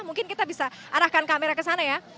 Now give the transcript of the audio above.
mungkin kita bisa arahkan kamera ke sana ya